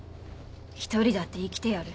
１人だって生きてやる。